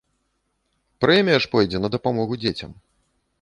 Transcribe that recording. Прэмія ж пойдзе на дапамогу дзецям.